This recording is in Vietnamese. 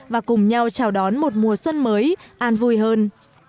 và cùng nhau chào đón một mùa xuân mới an vui hơn